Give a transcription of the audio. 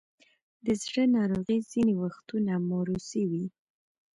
د زړه ناروغۍ ځینې وختونه موروثي وي.